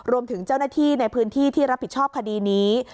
รวมถึงเจ้าหน้าที่ในพื้นที่ที่รับผิดชอบคดีนี้